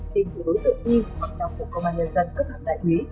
tình của đối tượng y hoặc trang phục công an nhân dân cấp hẳn tại mỹ